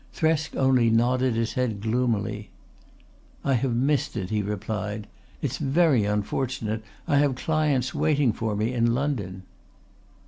Thresk only nodded his head gloomily. "I have missed it," he replied. "It's very unfortunate. I have clients waiting for me in London."